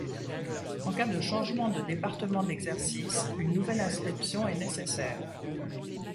En cas de changement de département d'exercice, une nouvelle inscription est nécessaire.